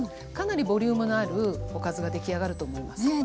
かなりボリュームのあるおかずが出来上がると思います。